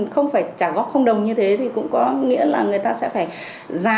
không phải trả góp không đồng như thế thì cũng có nghĩa là người ta sẽ phải giả